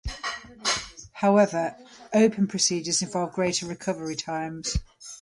However, open procedures involve greater recovery times.